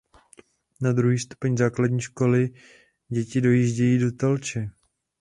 Na druhý stupeň základní školy děti dojíždějí do Telče.